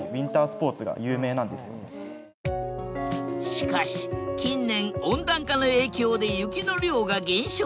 しかし近年温暖化の影響で雪の量が減少。